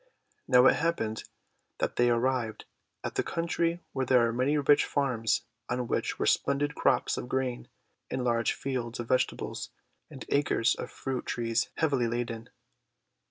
Now it happened that they arrived at a coun try where there were many rich farms, on which were splendid crops of grain, and large fields of vegetables, and acres of fruit trees heavily laden.